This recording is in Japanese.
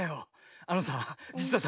あのさじつはさ